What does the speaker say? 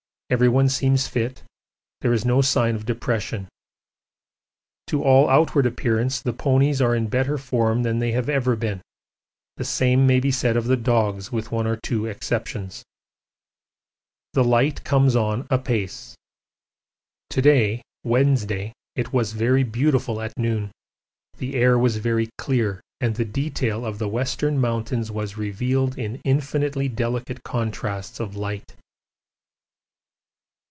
Everyone seems fit, there is no sign of depression. To all outward appearance the ponies are in better form than they have ever been; the same may be said of the dogs with one or two exceptions. The light comes on apace. To day (Wednesday) it was very beautiful at noon: the air was very clear and the detail of the Western Mountains was revealed in infinitely delicate contrasts of light.